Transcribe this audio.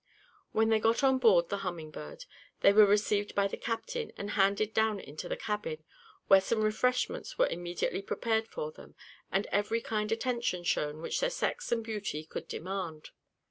When they got on board the Humming Bird, they were received by the captain, and handed down into the cabin, where some refreshments were immediately prepared for them, and every kind attention shown which their sex and beauty could demand.